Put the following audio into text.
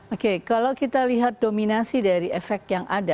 oke kalau kita lihat dominasi dari efek yang ada